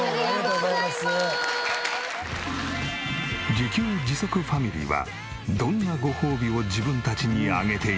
自給自足ファミリーはどんなごほうびを自分たちにあげているのか？